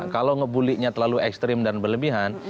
kalau ngebully nya terlalu ekstrim dan berlebihan